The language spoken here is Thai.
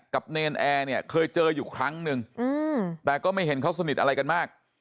เนรนแอร์เนี่ยเคยเจออยู่ครั้งนึงแต่ก็ไม่เห็นเขาสนิทอะไรกันมาก